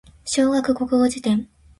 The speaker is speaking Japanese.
小学国語辞典